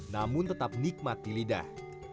namun tetap nikmat di lidah